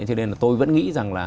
thế nên là tôi vẫn nghĩ rằng là